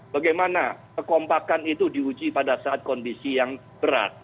bagaimana kekompakan itu diuji pada saat kondisi yang berat